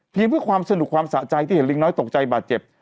เพื่อความสนุกความสะใจที่เห็นลิงน้อยตกใจบาดเจ็บ